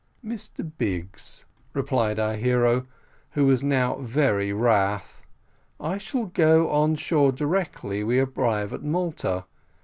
"Mr Biggs," replied our hero, who was now very wroth, "I shall go on shore directly we arrive at Malta.